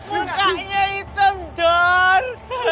mukanya hitam dor